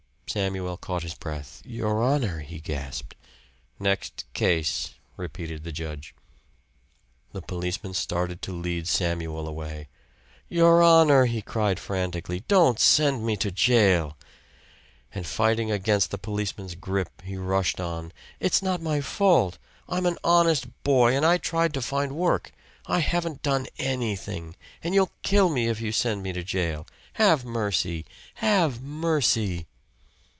Samuel caught his breath. "Your honor," he gasped. "Next case," repeated the judge. The policeman started to lead Samuel away. "Your honor," he cried frantically. "Don't send me to jail." And fighting against the policeman's grip, he rushed on, "It's not my fault I'm an honest boy and I tried to find work. I haven't done anything. And you'll kill me if you send me to jail. Have mercy! Have mercy!"